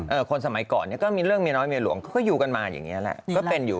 คนสมัยก่อนเนี้ยก็มีเรื่องเมียน้อยเมียหลวงเขาก็อยู่กันมาอย่างเงี้แหละก็เป็นอยู่